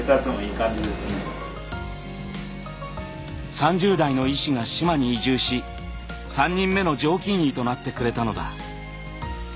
３０代の医師が志摩に移住し３人目の常勤医となってくれたのだ。